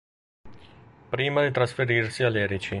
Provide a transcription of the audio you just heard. Prima di Trasferirsi a Lerici.